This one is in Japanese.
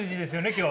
今日。